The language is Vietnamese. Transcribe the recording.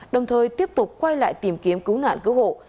đồng thời tiếp tục quay lại tìm kiếm cứu nạn cứu hộ